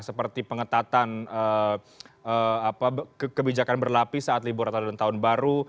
seperti pengetatan kebijakan berlapi saat libur natalan tahun baru